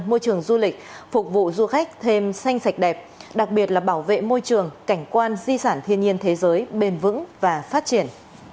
môi trường du lịch phục vụ du khách thêm xanh sạch đẹp đặc biệt là bảo vệ môi trường cảnh quan di sản thiên nhiên thế giới bền vững và phát triển